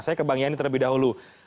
saya ke bang yani terlebih dahulu